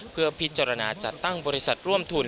เพื่อพิจารณาจัดตั้งบริษัทร่วมทุน